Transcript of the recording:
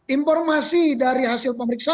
informasi dari hasil pemeriksaan